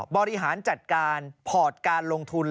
บริหารจัดการพอร์ตการลงทุน